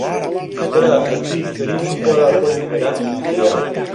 برا ئەتووش لە هیچ و خۆڕا خۆت نیگەران کردییە.